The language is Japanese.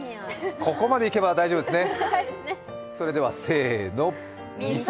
ここまでいけば大丈夫ですね。